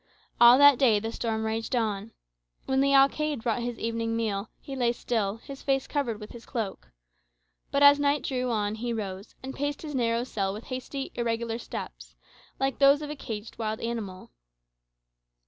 All that day the storm raged on. When the alcayde brought his evening meal, he lay still, his face covered with his cloak. But as night drew on he rose, and paced his narrow cell with hasty, irregular steps, like those of a caged wild animal.